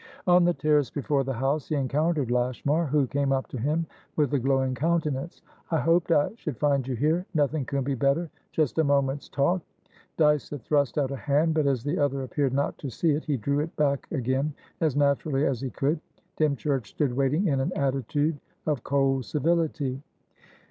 On the terrace before the house, he encountered Lashmar, who came up to him with a glowing countenance. "I hoped I should find you here. Nothing could be better. Just a moment's talk." Dyce had thrust out a hand, but as the other appeared not to see it, he drew it back again as naturally as he could. Dymchurch stood waiting in an attitude of cold civility.